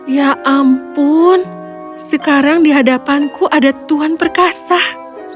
ya ampun sekarang di hadapanku ada tuhan perkasa